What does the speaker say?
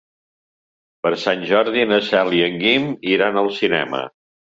Per Sant Jordi na Cel i en Guim iran al cinema.